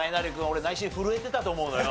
俺内心震えてたと思うのよ。